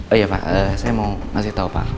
oh iya pak saya mau ngasih tau pak